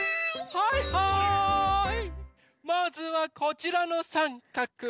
まずはこちらのさんかく！